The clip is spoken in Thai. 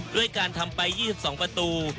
ด้วยการทำไป๒๒ประตู